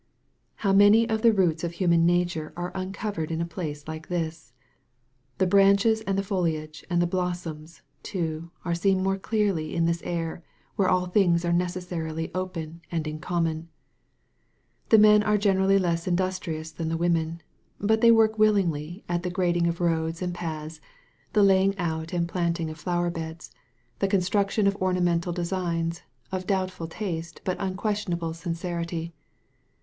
How many of the roots of human nature are uncovered in a place like this ! The branches and the foliage and the blossoms, too, are seen more clearly in this air where all things are necessarily open and in common. The men are generally less industrious than the women. But they work willingly at the grading 28 A CITY OF REFUGE of roads and paths, the laying out and planting of flower beds» the construction of ornamental de signsy of doubtful taste but unquestionable sincerity.